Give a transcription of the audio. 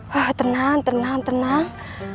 wah tenang tenang tenang